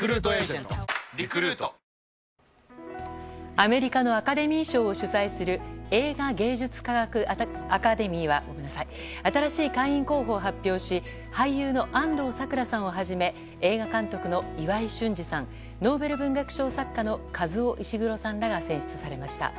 アメリカのアカデミー賞を主催する映画芸術科学アカデミーは新しい会員候補を発表し俳優の安藤サクラさんをはじめ映画監督の岩井俊二さんノーベル文学賞作家のカズオ・イシグロさんらが選出されました。